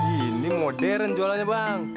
ini modern jualannya bang